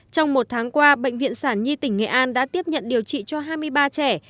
trong một tháng qua bệnh viện sản nhi tỉnh nghệ an đã tiếp nhận điều trị cho hai mươi ba trẻ